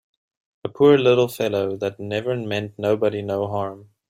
A poor little fellow that never meant nobody no harm!